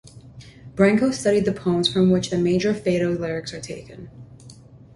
Branco studied the poems from which major fado lyrics are taken.